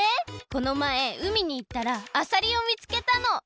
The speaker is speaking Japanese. このまえうみにいったらあさりを見つけたの！